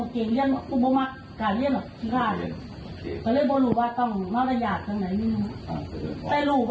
อัตตามากก็ยอมรับว่าอัตตามาอาจจะใช้แบบ